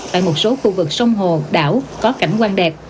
tại một số khu vực sông hồ đảo có cảnh quan đẹp